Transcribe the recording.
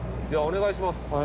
ではお願いします。